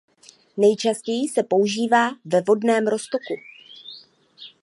Nejčastěji se používá ve vodném roztoku.